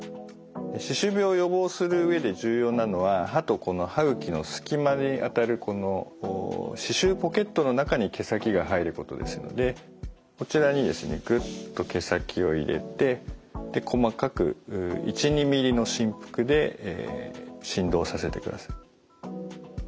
歯周病を予防する上で重要なのは歯とこの歯ぐきのすき間にあたるこの歯周ポケットの中に毛先が入ることですのでこちらにですねグッと毛先を入れて細かく１２ｍｍの振幅で振動させてください。